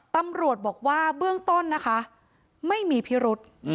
ตำรวจบอกว่าเบื้องต้นนะคะไม่มีพิรุษ